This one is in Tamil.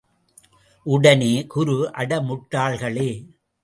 உடனே குரு அட முட்டாள்களே!